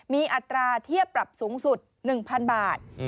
มีอัตราเทียบปรับสูงสุด๑๐๐๐บาท